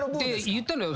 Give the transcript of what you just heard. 言ったのよ。